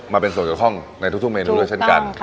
มาเป็นส่วนจักรข้องในทุกเมนูเพราะเช่นกัน